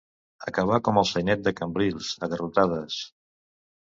Acabar com el sainet de Cambrils, a garrotades.